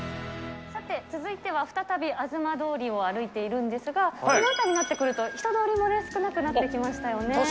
さて、続いては再び東通りを歩いているんですが、この辺りになってくると、人通りも少なくなってきましたよね。